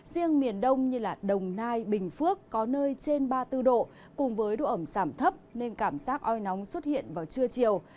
riêng miền đông như đồng nai bình phước có nơi trên ba mươi bốn độ cùng với độ ẩm giảm thấp nên cảm giác oi nóng xuất hiện vào trưa chiều